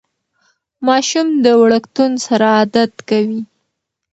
ماشوم د وړکتون سره عادت کوي.